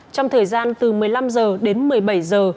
trong thời gian từ một mươi năm h đến một mươi bảy h